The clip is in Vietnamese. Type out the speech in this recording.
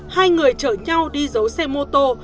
hai người chở nhau đi giấu xe mô tô